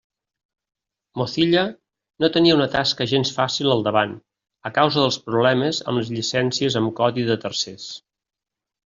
Mozilla no tenia una tasca gens fàcil al davant a causa dels problemes amb les llicències amb codi de tercers.